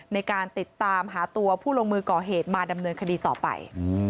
ในการติดตามหาตัวผู้ลงมือก่อเหตุมาดำเนินคดีต่อไป